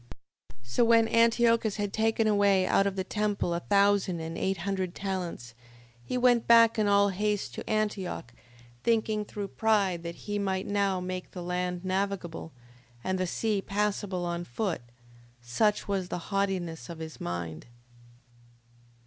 5:21. So when Antiochus had taken away out of the temple a thousand and eight hundred talents, he went back in all haste to Antioch, thinking through pride that he might now make the land navigable, and the sea passable on foot: such was the haughtiness of his mind.